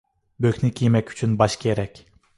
بۆكنى كىيمەك ئۈچۈن باش كېرەك.